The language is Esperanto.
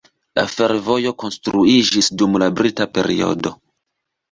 La fervojo konstruiĝis dum la brita periodo.